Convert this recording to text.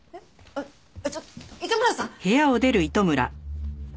あっちょっと糸村さん！